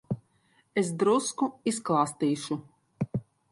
Es drusku izklāstīšu.